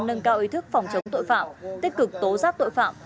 nâng cao ý thức phòng chống tội phạm tích cực tố giác tội phạm